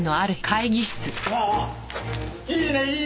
あいいねいいね！